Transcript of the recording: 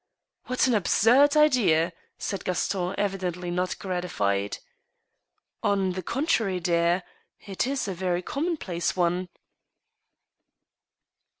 ''What an absurd idea!" said Gaston, evidently not gratified. " On the contrary, dear, it is a very commonplace one."